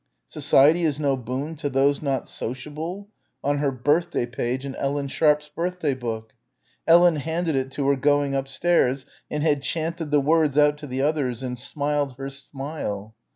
"Society is no boon to those not sociable" on her birthday page in Ellen Sharpe's birthday book. Ellen handed it to her going upstairs and had chanted the words out to the others and smiled her smile